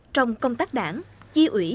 trong công tác đảng chi ủy